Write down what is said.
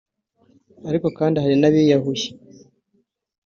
ariko kandi hari n’abiyahuye